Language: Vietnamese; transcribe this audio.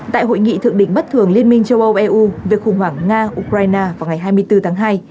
tại hội nghị thượng đỉnh bất thường liên minh châu âu eu về khủng hoảng nga ukraine vào ngày hai mươi bốn tháng hai